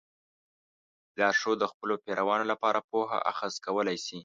لارښود د خپلو پیروانو لپاره پوهه اخذ کولی شي.